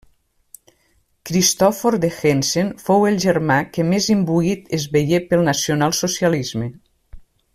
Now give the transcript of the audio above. Cristòfor de Hessen fou el germà que més imbuït es veié pel nacionalsocialisme.